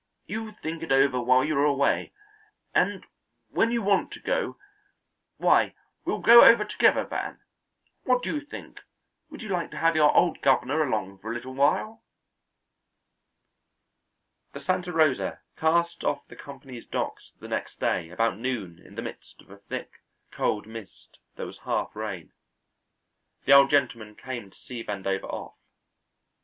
You think it over while you are away, and when you want to go, why, we'll go over together, Van. What do you think? Would you like to have your old governor along for a little while?" The Santa Rosa cast off the company's docks the next day about noon in the midst of a thick, cold mist that was half rain. The Old Gentleman came to see Vandover off.